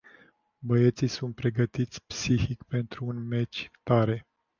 Băieții sunt pregătiți psihic pentru un meci tare.